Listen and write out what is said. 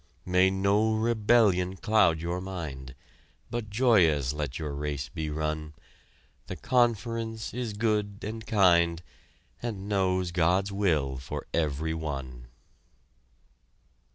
May no rebellion cloud your mind, But joyous let your race be run. The conference is good and kind And knows God's will for every one!